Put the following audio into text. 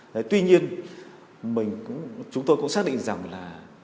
đấy tuy nhiên mình chúng tôi cũng xác định rằng là